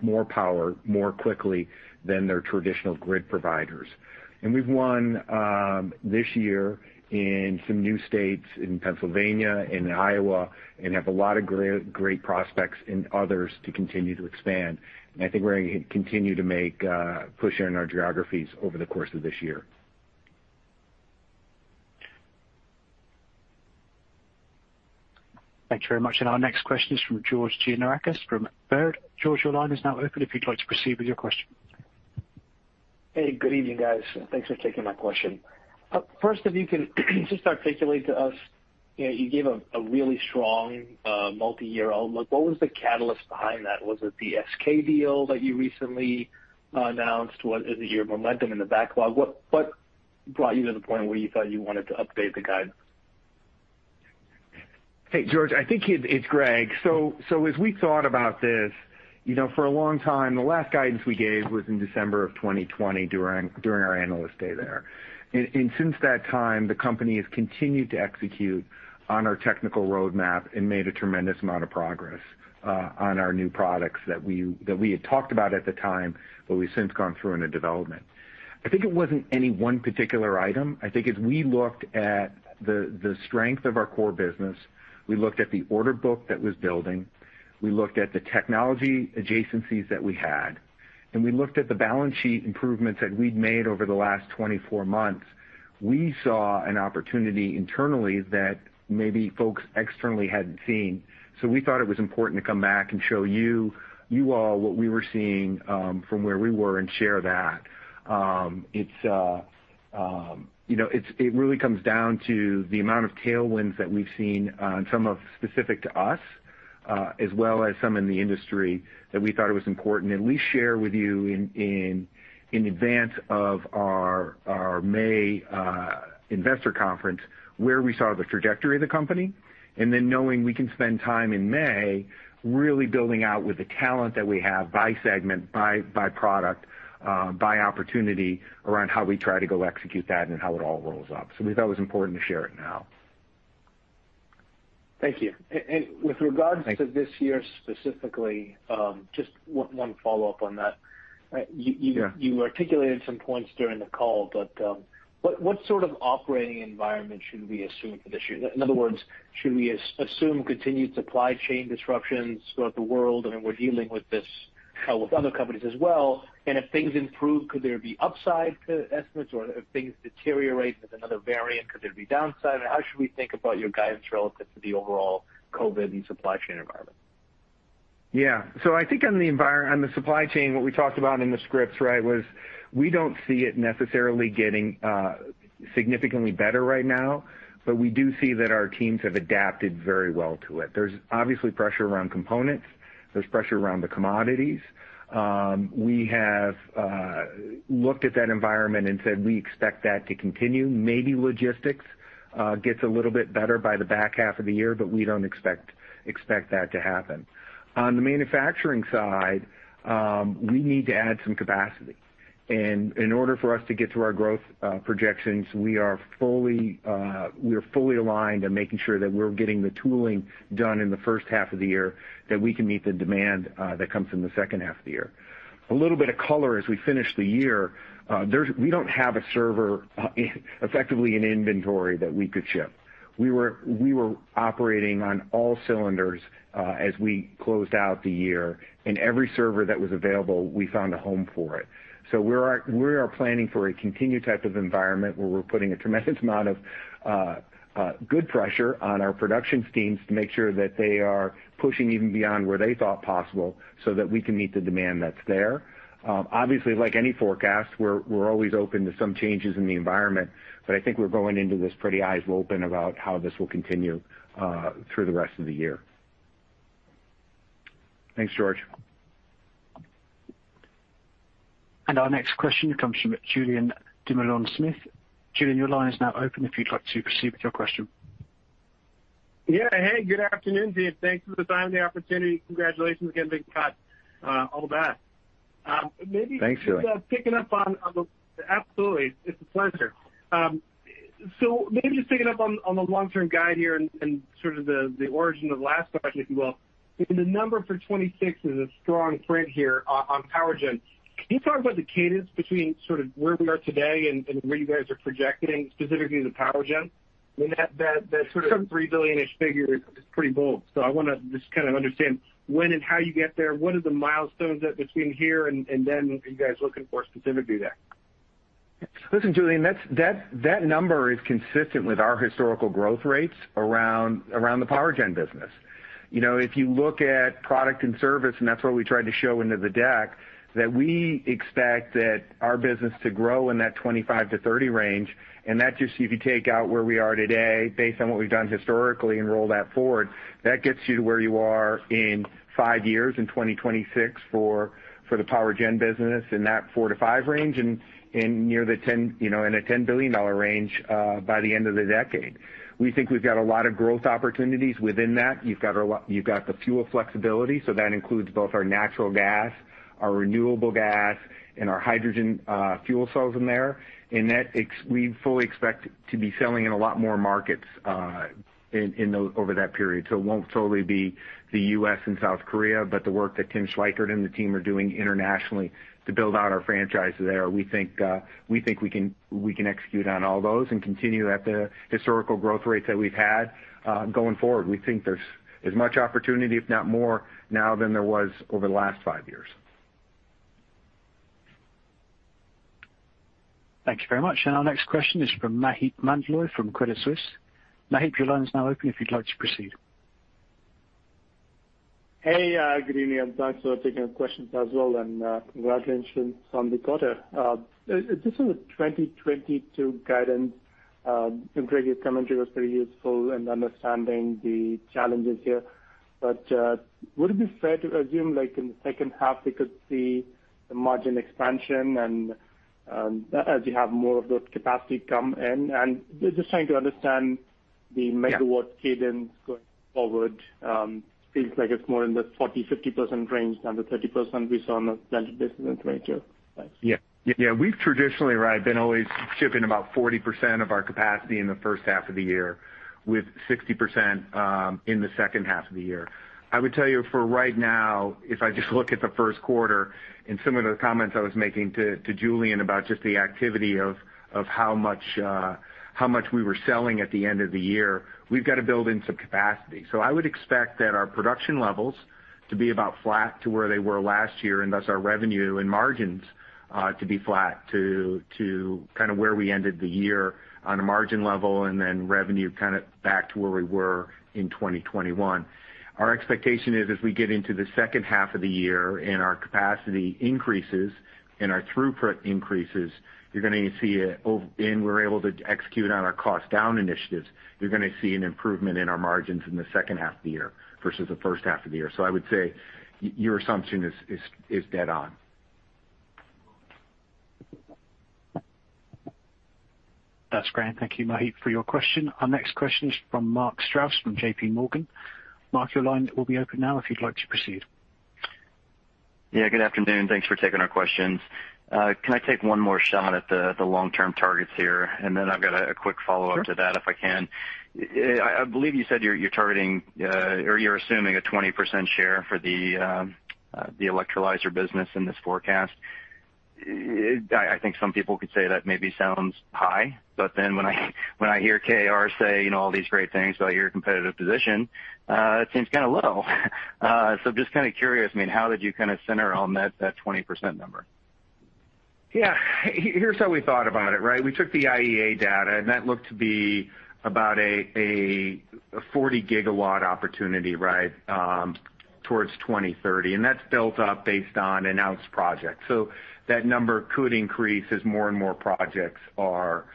Speaker 4: more power more quickly than their traditional grid providers. We've won this year in some new states in Pennsylvania and Iowa, and have a lot of great prospects in others to continue to expand. I think we're gonna continue to make push in our geographies over the course of this year.
Speaker 1: Thanks very much. Our next question is from George Giannaracos from Baird. George, your line is now open if you'd like to proceed with your question.
Speaker 7: Hey, good evening, guys. Thanks for taking my question. First, if you can just articulate to us, you know, you gave a really strong multi-year outlook. What was the catalyst behind that? Was it the SK deal that you recently announced? Was it your momentum in the backlog? What brought you to the point where you thought you wanted to update the guide?
Speaker 4: Hey, George, I think it's Greg. As we thought about this, you know, for a long time, the last guidance we gave was in December of 2020 during our Analyst Day there. Since that time, the company has continued to execute on our technical roadmap and made a tremendous amount of progress on our new products that we had talked about at the time, but we've since gone through in a development. I think it wasn't any one particular item. I think as we looked at the strength of our core business, we looked at the order book that was building, we looked at the technology adjacencies that we had, and we looked at the balance sheet improvements that we'd made over the last 24 months, we saw an opportunity internally that maybe folks externally hadn't seen. We thought it was important to come back and show you all what we were seeing from where we were and share that. You know, it really comes down to the amount of tailwinds that we've seen and some specific to us as well as some in the industry that we thought it was important and we share with you in advance of our May investor conference, where we saw the trajectory of the company, and then knowing we can spend time in May really building out with the talent that we have by segment, by product, by opportunity around how we try to go execute that and how it all rolls up. We thought it was important to share it now.
Speaker 7: Thank you. With regards
Speaker 4: Thanks.
Speaker 7: to this year specifically, just one follow-up on that. You
Speaker 4: Yeah.
Speaker 7: You articulated some points during the call, but what sort of operating environment should we assume for this year? In other words, should we assume continued supply chain disruptions throughout the world? I mean, we're dealing with this with other companies as well, and if things improve, could there be upside to estimates, or if things deteriorate with another variant, could there be downside? How should we think about your guidance relative to the overall COVID and supply chain environment?
Speaker 4: Yeah. I think on the supply chain, what we talked about in the scripts, right, was we don't see it necessarily getting significantly better right now, but we do see that our teams have adapted very well to it. There's obviously pressure around components. There's pressure around the commodities. We have looked at that environment and said we expect that to continue. Maybe logistics gets a little bit better by the back half of the year, but we don't expect that to happen. On the manufacturing side, we need to add some capacity. In order for us to get to our growth projections, we are fully aligned on making sure that we're getting the tooling done in the first half of the year that we can meet the demand that comes from the second half of the year. A little bit of color as we finish the year, there's we don't have a server effectively in inventory that we could ship. We were operating on all cylinders as we closed out the year, and every server that was available, we found a home for it. We are planning for a continued type of environment where we're putting a tremendous amount of good pressure on our production teams to make sure that they are pushing even beyond where they thought possible so that we can meet the demand that's there. Obviously, like any forecast, we're always open to some changes in the environment, but I think we're going into this pretty eyes open about how this will continue through the rest of the year.
Speaker 2: Thanks, George.
Speaker 1: Our next question comes from Julien Dumoulin-Smith. Julien, your line is now open if you'd like to proceed with your question.
Speaker 8: Yeah. Hey, good afternoon to you. Thanks for the time and the opportunity. Congratulations again, big cut, all that. Maybe-
Speaker 4: Thanks, Julien.
Speaker 8: Absolutely. It's a pleasure. So maybe just picking up on the long-term guide here and sort of the origin of the last question, if you will. The number for 2026 is a strong print here on power gen. Can you talk about the cadence between sort of where we are today and where you guys are projecting, specifically the power gen? I mean, that sort of $3 billion-ish figure is pretty bold. So I wanna just kind of understand when and how you get there. What are the milestones that between here and then are you guys looking for specifically there?
Speaker 4: Listen, Julian, that number is consistent with our historical growth rates around the power gen business. You know, if you look at product and service, and that's what we tried to show in the deck, that we expect our business to grow in that 25%-30% range, and that just if you take out where we are today based on what we've done historically and roll that forward, that gets you to where you are in five years, in 2026 for the power gen business in that $4-$5 billion range near the 10, you know, in a $10 billion range by the end of the decade. We think we've got a lot of growth opportunities within that. You've got the fuel flexibility, so that includes both our natural gas, our renewable gas, and our hydrogen fuel cells in there. We fully expect to be selling in a lot more markets over that period. It won't totally be the U.S. and South Korea, but the work that Tim Schweikert and the team are doing internationally to build out our franchise there. We think we can execute on all those and continue at the historical growth rates that we've had going forward. We think there's as much opportunity, if not more now than there was over the last five years.
Speaker 1: Thank you very much. Our next question is from Maheep Mandloi from Credit Suisse. Maheep, your line is now open if you'd like to proceed.
Speaker 9: Hey, good evening. Thanks for taking the questions as well, and congratulations on the quarter. This is a 2022 guidance. Your previous commentary was pretty useful in understanding the challenges here. Would it be fair to assume like in the second half, we could see the margin expansion and as you have more of those capacity come in? Just trying to understand the megawatt cadence going forward, seems like it's more in the 40%-50% range than the 30% we saw on the plant business in 2022. Thanks.
Speaker 4: Yeah. Yeah, we've traditionally, right, been always shipping about 40% of our capacity in the first half of the year with 60% in the second half of the year. I would tell you for right now, if I just look at the Q1 and some of the comments I was making to Julien about just the activity of how much we were selling at the end of the year, we've got to build in some capacity. I would expect that our production levels to be about flat to where they were last year, and thus our revenue and margins to be flat to kind of where we ended the year on a margin level and then revenue kind of back to where we were in 2021. Our expectation is as we get into the second half of the year and our capacity increases and our throughput increases, and we're able to execute on our cost down initiatives, you're gonna see an improvement in our margins in the second half of the year versus the first half of the year. I would say your assumption is dead on.
Speaker 1: That's great. Thank you, Maheep, for your question. Our next question is from Mark Strouse from JP Morgan. Mark, your line will be open now if you'd like to proceed.
Speaker 10: Yeah, good afternoon. Thanks for taking our questions. Can I take one more shot at the long-term targets here? I've got a quick follow-up to that if I can.
Speaker 4: Sure.
Speaker 10: I believe you said you're targeting or you're assuming a 20% share for the electrolyzer business in this forecast. I think some people could say that maybe sounds high, but then when I hear KR say, you know, all these great things about your competitive position, it seems kinda low. I'm just kinda curious, I mean, how did you kinda center on that 20% number?
Speaker 4: Yeah. Here's how we thought about it, right? We took the IEA data, and that looked to be about a 40 GW opportunity, right, towards 2030, and that's built up based on announced projects. That number could increase as more and more projects are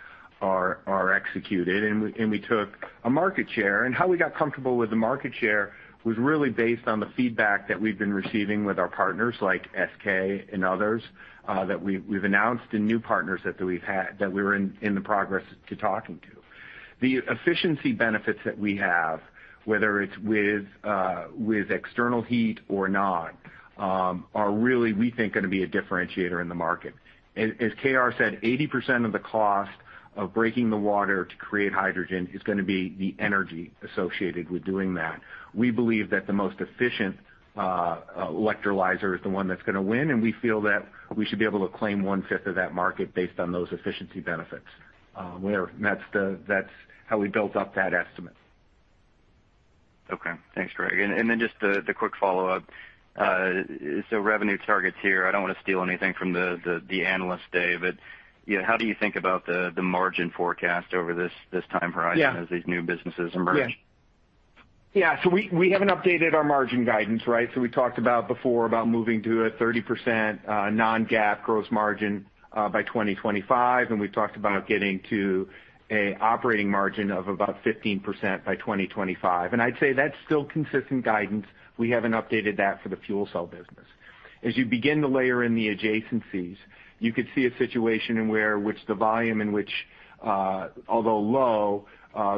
Speaker 4: executed. We took a market share, and how we got comfortable with the market share was really based on the feedback that we've been receiving with our partners like SK and others that we've announced and new partners that we're in the process of talking to. The efficiency benefits that we have, whether it's with external heat or not, are really, we think, gonna be a differentiator in the market. As KR said, 80% of the cost of breaking the water to create hydrogen is gonna be the energy associated with doing that. We believe that the most efficient electrolyzer is the one that's gonna win, and we feel that we should be able to claim 1/5 of that market based on those efficiency benefits. That's how we built up that estimate.
Speaker 10: Okay. Thanks, Greg. Just the quick follow-up. Revenue targets here, I don't wanna steal anything from the analyst day, but, you know, how do you think about the margin forecast over this time horizon-
Speaker 4: Yeah.
Speaker 10: as these new businesses emerge?
Speaker 4: Yeah. We haven't updated our margin guidance, right? We talked about before about moving to a 30% non-GAAP gross margin by 2025, and we talked about getting to an operating margin of about 15% by 2025. I'd say that's still consistent guidance. We haven't updated that for the fuel cell business. As you begin to layer in the adjacencies, you could see a situation in which the volume, although low,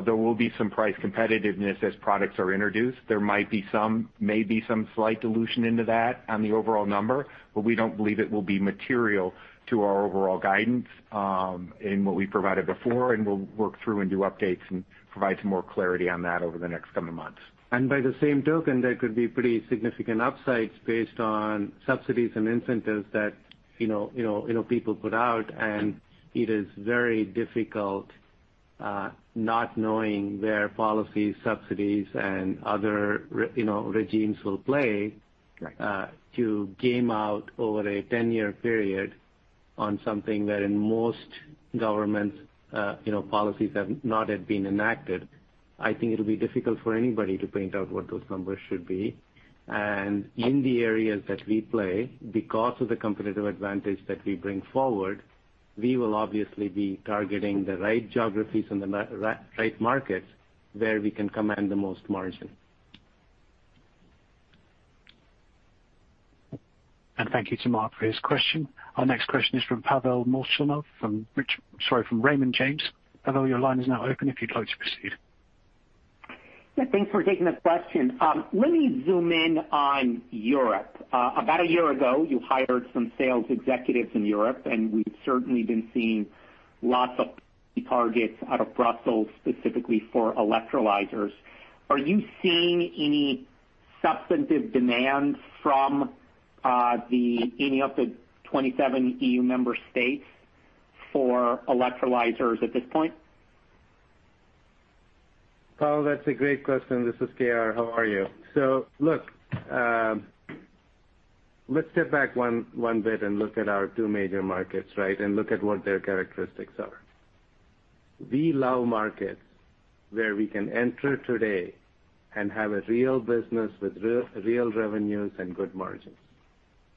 Speaker 4: there will be some price competitiveness as products are introduced. There might be some slight dilution into that on the overall number, but we don't believe it will be material to our overall guidance in what we provided before, and we'll work through and do updates and provide some more clarity on that over the next coming months.
Speaker 3: By the same token, there could be pretty significant upsides based on subsidies and incentives that, you know, people put out, and it is very difficult, not knowing where policies, subsidies, and other, you know, regimes will play, to game out over a 10-year period on something that in most governments, you know, policies have not yet been enacted. I think it'll be difficult for anybody to point out what those numbers should be. In the areas that we play, because of the competitive advantage that we bring forward, we will obviously be targeting the right geographies and the right markets where we can command the most margin.
Speaker 1: Thank you to Mark for his question. Our next question is from Pavel Molchanov from Raymond James. Pavel, your line is now open if you'd like to proceed.
Speaker 11: Yeah, thanks for taking the question. Let me zoom in on Europe. About a year ago, you hired some sales executives in Europe, and we've certainly been seeing lots of targets out of Brussels, specifically for electrolyzers. Are you seeing any substantive demand from any of the 27 EU member states for electrolyzers at this point?
Speaker 3: Pavel, that's a great question. This is KR. How are you? Look, let's step back one bit and look at our two major markets, right? Look at what their characteristics are. We love markets where we can enter today and have a real business with real revenues and good margins.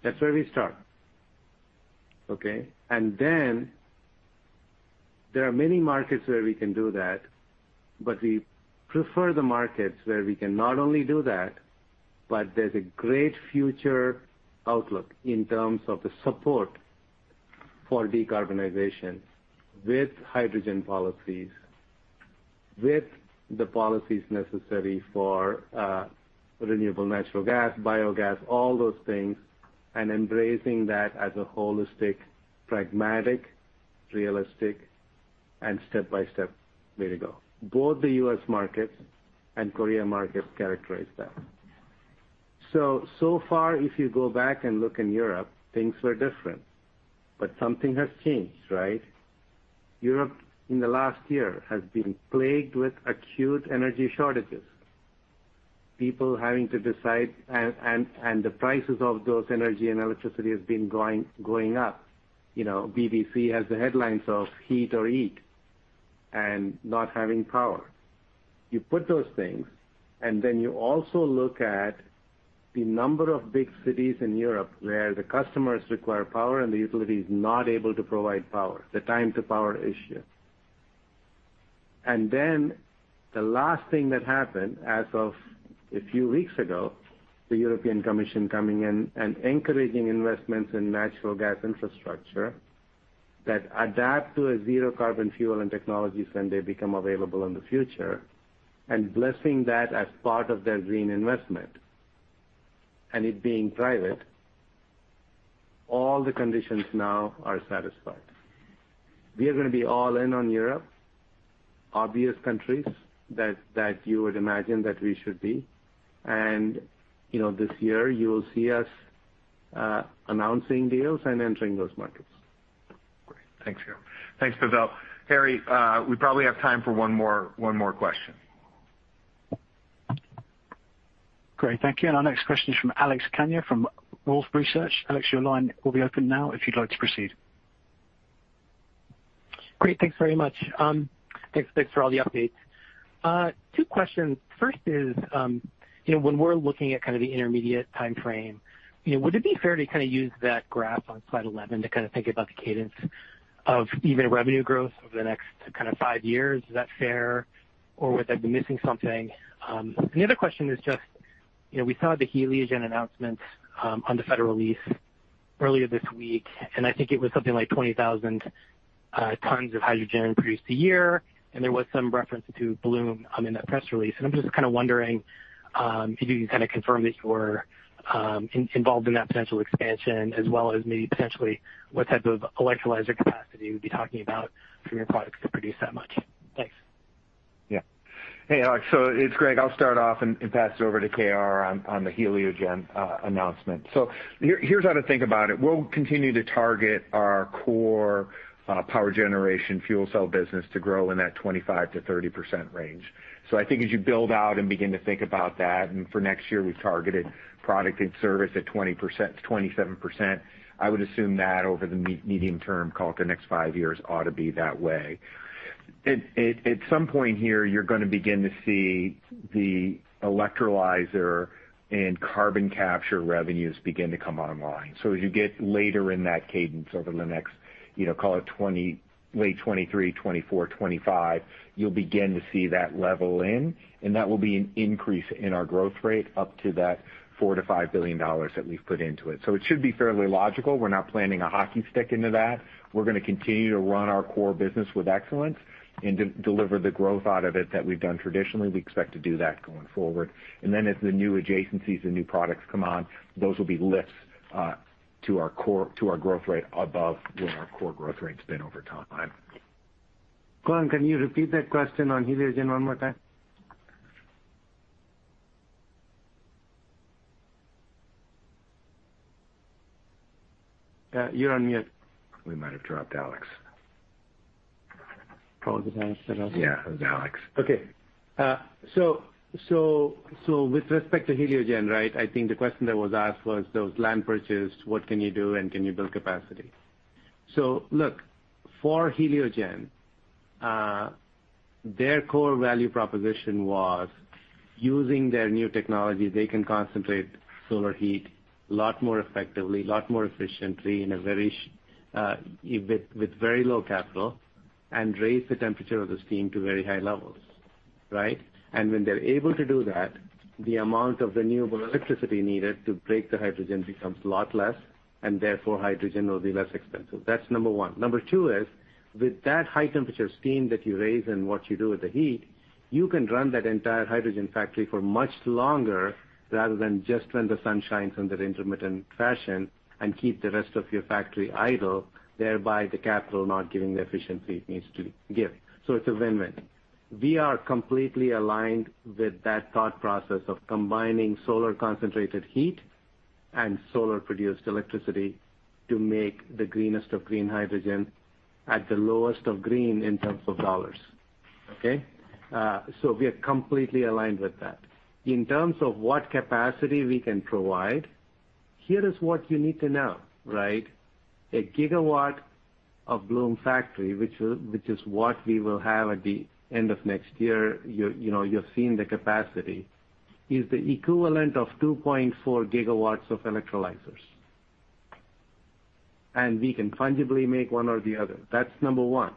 Speaker 3: That's where we start, okay? There are many markets where we can do that, but we prefer the markets where we can not only do that, but there's a great future outlook in terms of the support for decarbonization with hydrogen policies, with the policies necessary for, renewable natural gas, biogas, all those things, and embracing that as a holistic, pragmatic, realistic, and step-by-step way to go. Both the U.S. market and Korea market characterize that. So far, if you go back and look in Europe, things were different, but something has changed, right? Europe, in the last year, has been plagued with acute energy shortages. People having to decide, and the prices of those energy and electricity has been going up. You know, BBC has the headlines of heat or eat and not having power. You put those things, and then you also look at the number of big cities in Europe where the customers require power and the utility is not able to provide power, the time to power issue. The last thing that happened as of a few weeks ago, the European Commission coming in and encouraging investments in natural gas infrastructure that adapt to a zero carbon fuel and technologies when they become available in the future, and blessing that as part of their green investment, and it being private, all the conditions now are satisfied. We are gonna be all in on Europe, obvious countries that you would imagine that we should be. You know, this year, you will see us announcing deals and entering those markets.
Speaker 4: Great. Thanks, KR. Thanks, Pavel. Harry, we probably have time for one more question.
Speaker 1: Great. Thank you. Our next question is from Alex Kania from Wolfe Research. Alex, your line will be open now if you'd like to proceed.
Speaker 12: Great. Thanks very much. Thanks for all the updates. Two questions. First is, you know, when we're looking at kind of the intermediate timeframe, you know, would it be fair to kind of use that graph on slide 11 to kind of think about the cadence of even revenue growth over the next kind of five years? Is that fair, or would I be missing something? And the other question is just, you know, we saw the Heliogen announcement on the federal lease earlier this week, and I think it was something like 20,000 tons of hydrogen produced a year, and there was some reference to Bloom in that press release. I'm just kind of wondering if you can kind of confirm that you're involved in that potential expansion as well as maybe potentially what type of electrolyzer capacity you'd be talking about from your products to produce that much. Thanks.
Speaker 4: Yeah. Hey, Alex. It's Greg. I'll start off and pass it over to KR on the Heliogen announcement. Here's how to think about it. We'll continue to target our core power generation fuel cell business to grow in that 25%-30% range. I think as you build out and begin to think about that, and for next year, we've targeted product and service at 20%-27%. I would assume that over the medium term, call it the next five years, ought to be that way. At some point here, you're gonna begin to see the electrolyzer and carbon capture revenues begin to come online. As you get later in that cadence over the next, you know, call it 20, late 2023, 2024, 2025, you'll begin to see that level in, and that will be an increase in our growth rate up to that $4 billion-$5 billion that we've put into it. It should be fairly logical. We're not planning a hockey stick into that. We're gonna continue to run our core business with excellence and deliver the growth out of it that we've done traditionally. We expect to do that going forward. As the new adjacencies and new products come on, those will be lifts to our core, to our growth rate above where our core growth rate's been over time.
Speaker 3: Colin, can you repeat that question on Heliogen one more time? You're on mute.
Speaker 4: We might have dropped Alex.
Speaker 3: Probably the best.
Speaker 4: Yeah, it was Alex.
Speaker 3: Okay. With respect to Heliogen, right? I think the question that was asked was those lands purchased, what can you do and can you build capacity? Look, for Heliogen, their core value proposition was using their new technology, they can concentrate solar heat a lot more effectively, a lot more efficiently with very low capital and raise the temperature of the steam to very high levels, right? When they're able to do that, the amount of renewable electricity needed to make the hydrogen becomes a lot less, and therefore hydrogen will be less expensive. That's number one. Number two is, with that high temperature steam that you raise and what you do with the heat, you can run that entire hydrogen factory for much longer rather than just when the sun shines in that intermittent fashion and keep the rest of your factory idle, thereby the capital not giving the efficiency it needs to give. It's a win-win. We are completely aligned with that thought process of combining solar concentrated heat and solar produced electricity to make the greenest of green hydrogen at the lowest of green in terms of dollars, okay? We are completely aligned with that. In terms of what capacity we can provide, here is what you need to know, right? A gigawatt of Bloom factory, which is what we will have at the end of next year, you know, you're seeing the capacity, is the equivalent of 2.4 gigawatts of electrolyzers. We can tangibly make one or the other. That's one.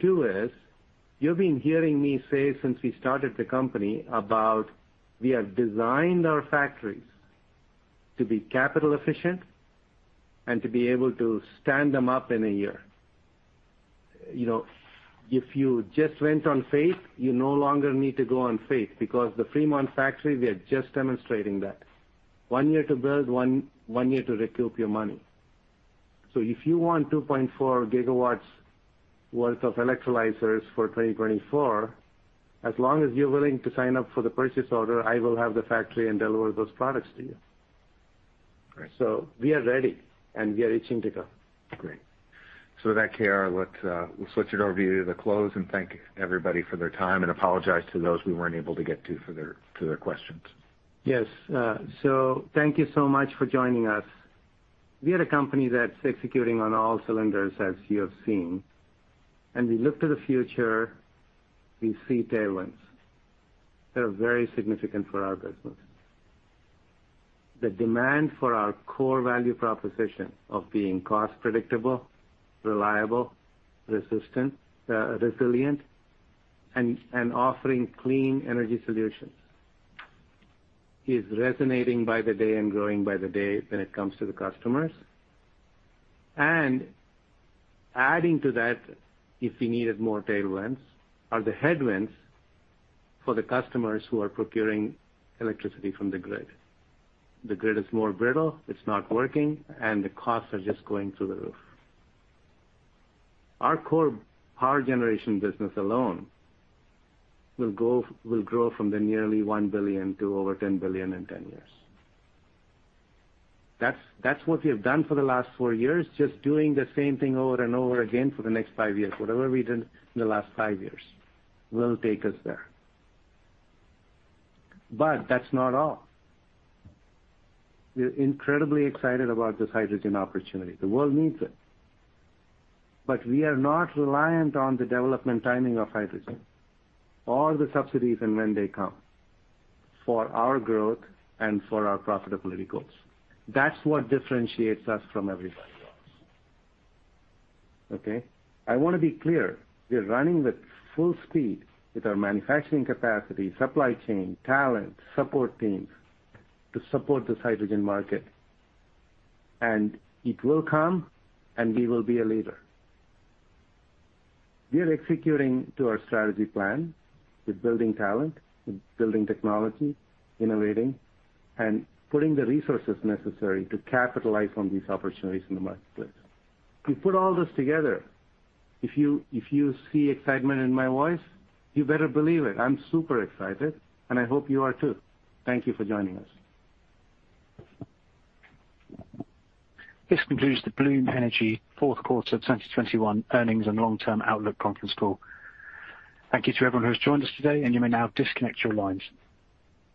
Speaker 3: Two is, you've been hearing me say since we started the company about we have designed our factories to be capital efficient and to be able to stand them up in a year. You know, if you just went on faith, you no longer need to go on faith because the Fremont factory, we are just demonstrating that. One year to build, one year to recoup your money. If you want 2.4 GW worth of electrolyzers for 2024, as long as you're willing to sign up for the purchase order, I will have the factory and deliver those products to you.
Speaker 4: Great.
Speaker 3: We are ready, and we are itching to go.
Speaker 4: Great. With that, KR, we'll switch it over to you to close and thank everybody for their time and apologize to those we weren't able to get to for their questions.
Speaker 3: Yes. So thank you so much for joining us. We are a company that's executing on all cylinders, as you have seen. We look to the future, we see tailwinds that are very significant for our business. The demand for our core value proposition of being cost predictable, reliable, resistant, resilient and offering clean energy solutions is resonating by the day and growing by the day when it comes to the customers. Adding to that, if we needed more tailwinds, are the headwinds for the customers who are procuring electricity from the grid. The grid is more brittle, it's not working, and the costs are just going through the roof. Our core power generation business alone will grow from nearly $1 billion to over $10 billion in 10 years. That's what we have done for the last four years, just doing the same thing over and over again for the next five years. Whatever we did in the last five years will take us there. That's not all. We're incredibly excited about this hydrogen opportunity. The world needs it. We are not reliant on the development timing of hydrogen or the subsidies and when they come for our growth and for our profitability goals. That's what differentiates us from everybody else, okay? I wanna be clear, we're running with full speed with our manufacturing capacity, supply chain, talent, support teams to support this hydrogen market, and it will come and we will be a leader. We are executing to our strategy plan. We're building talent, we're building technology, innovating and putting the resources necessary to capitalize on these opportunities in the marketplace. You put all this together, if you see excitement in my voice, you better believe it. I'm super excited, and I hope you are too. Thank you for joining us.
Speaker 1: This concludes the Bloom Energy Q4 of 2021 earnings and long-term outlook conference call. Thank you to everyone who has joined us today, and you may now disconnect your lines.